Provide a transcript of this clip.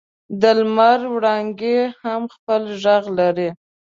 د لمر وړانګې هم خپل ږغ لري.